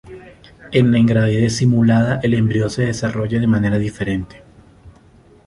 En la ingravidez simulada, el embrión se desarrolla de manera diferente.